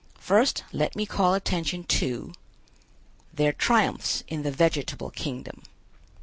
First, let me call attention to: THEIR TRIUMPHS IN THE VEGETABLE KINGDOM.